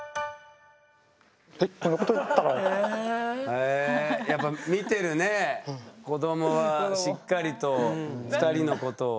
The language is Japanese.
へえやっぱ見てるね子どもはしっかりと２人のことを。